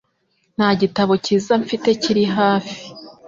Nta gitabo cyiza mfite kiri hafi.